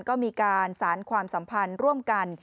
ก็มีการสารความสัมพันธ์ร่วมกัน